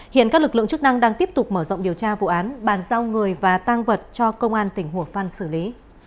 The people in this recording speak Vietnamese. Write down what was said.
hiện các lực lượng chức năng đang tiếp tục mở rộng điều tra vụ án bàn giao người và tăng vật cho công an tỉnh hồ phan xử lý